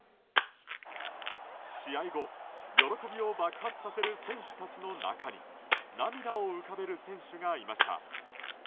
試合後、喜びを爆発させる選手たちの中に涙を浮かべる選手がいました。